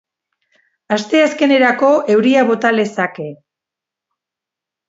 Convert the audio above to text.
Asteazkenerako euria bota lezake.